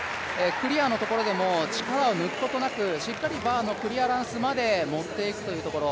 クリアのところでも力を抜くことなくしっかりバーのクリアランスまで持っていくというところ。